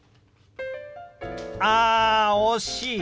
あ惜しい！